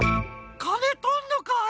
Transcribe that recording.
かねとんのかい！